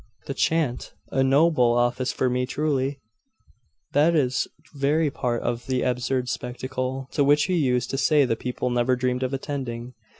'The chant! A noble office for me, truly! That is the very part of the absurd spectacle to which you used to say the people never dreamed of attending.